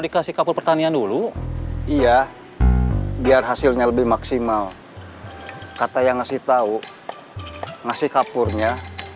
dikasih kapur pertanian dulu iya biar hasilnya lebih maksimal kata yang ngasih tahu ngasih kapurnya